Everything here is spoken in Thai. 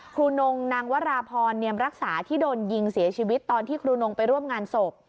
นงนางวราพรเนียมรักษาที่โดนยิงเสียชีวิตตอนที่ครูนงไปร่วมงานศพ